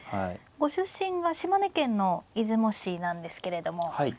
ご出身は島根県の出雲市なんですけれども。